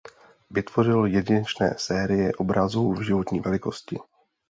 Vytvořil jedinečné série obrazů v životní velikosti.